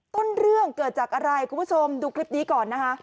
ต้นเรื่องเกิดจากอะไรคุณผู้ชมดูคลิปนี้ก่อนนะคะ